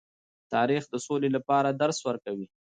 تاریخ د سولې لپاره درس ورکوي.